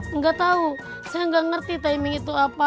enggak tahu saya nggak ngerti timing itu apa